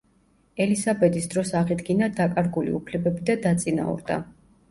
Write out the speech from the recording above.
ელისაბედის დროს აღიდგინა დაკარგული უფლებები და დაწინაურდა.